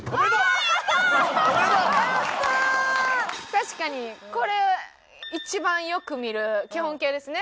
確かにこれ一番よく見る基本形ですね